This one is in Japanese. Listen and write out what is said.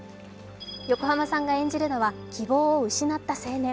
横浜さんが演じるのは希望を失った青年。